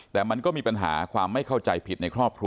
แต่มันก็มีปัญหาความไม่เข้าใจผิดในครอบครัว